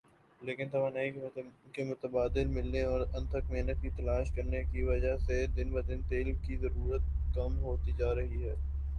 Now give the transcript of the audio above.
لیکن توانائی کے متبادل ذرائع ملنے اور انتھک محنت سے تلاش کرنے کی وجہ سے دن بدن تیل کی ضرورت کم ہوتی جارہی ھے